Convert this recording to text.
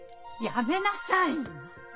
やめなさい！